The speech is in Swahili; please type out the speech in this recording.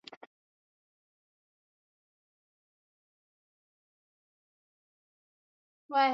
hasira ya halaiki haikawii kwa muda mrefu